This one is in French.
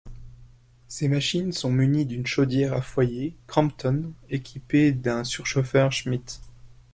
Ces machines sont munis d'une chaudière à foyer Crampton équipée d'un surchauffeur Schmidt.